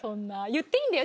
言っていいんだよ